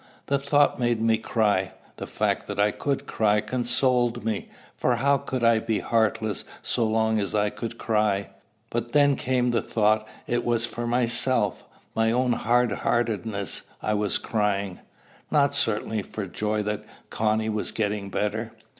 The thought made me cry. The fact that I could cry consoled me, for how could I be heartless so long as I could cry? But then came the thought it was for myself, my own hard heartedness I was crying, not certainly for joy that Connie was getting better.